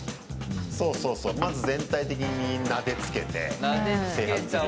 そうそうそう、まず全体的に、なでつけて整髪料を。